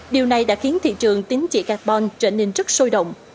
điều này đã khiến thị trường tính trị carbon trở nên rất sôi động